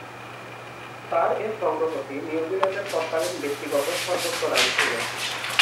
তার এ সংগ্রহটি নিউজিল্যান্ডের তৎকালীন ব্যক্তিগত সর্বোচ্চ রান ছিল।